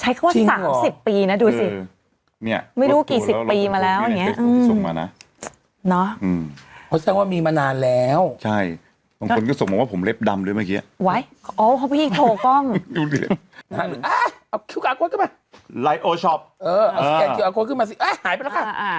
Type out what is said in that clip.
ใช้เขาว่า๓๐ปีนะดูสิไม่รู้กี่๑๐ปีมาแล้วอย่างนี้จริงหรอนี่ต้องดูในเฟซบุ๊กที่ส่งมานะ